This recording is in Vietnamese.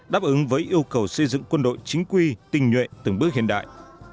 đáp ứng với yêu cầu xây dựng quân đội chính quy tình nhuệ từng bước hiện đại